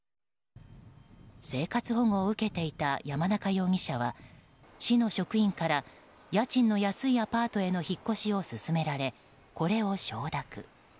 生活保護を受けていた山中容疑者は市の職員から家賃の安いアパートへの引っ越しを勧められ、これを承諾。